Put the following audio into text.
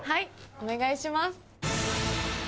お願いします。